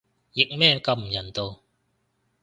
譯咩咁唔人道